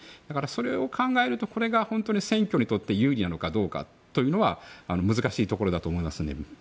それを考えるとこれが本当に選挙にとって有利なのかどうかというのは難しいところだと思います。